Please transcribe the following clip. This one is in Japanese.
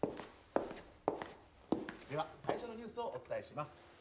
では最初のニュースをお伝えします。